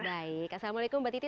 baik assalamualaikum mbak titi